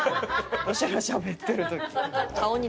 わしらしゃべってる時。